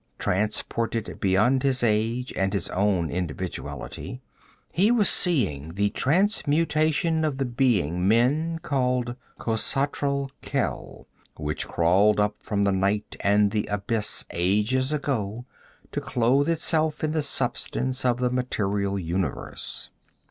Transported beyond his age and his own individuality, he was seeing the transmutation of the being men called Khosatral Khel which crawled up from Night and the Abyss ages ago to clothe itself in the substance of the material universe.